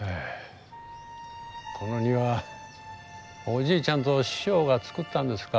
この庭おじいちゃんと師匠が作ったんですか。